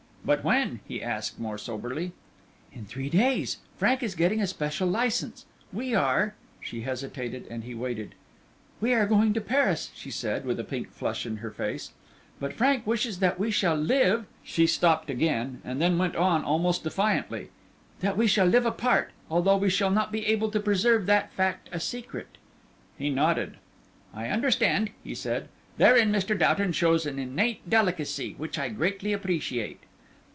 "But when?" he asked, more soberly. "In three days. Frank is getting a special licence; we are " She hesitated, and he waited. "We are going to Paris," she said, with a pink flush in her face, "but Frank wishes that we shall live" she stopped again, and then went on almost defiantly "that we shall live apart, although we shall not be able to preserve that fact a secret." He nodded. "I understand," he said; "therein Mr. Doughton shows an innate delicacy, which I greatly appreciate."